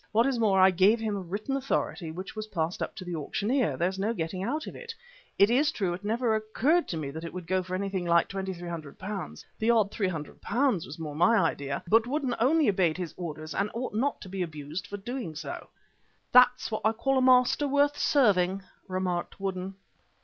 What is more I gave him a written authority which was passed up to the auctioneer. There's no getting out of it. It is true it never occurred to me that it would go for anything like £2,300 the odd £300 was more my idea, but Woodden only obeyed his orders, and ought not to be abused for doing so." "There's what I call a master worth serving," remarked Woodden.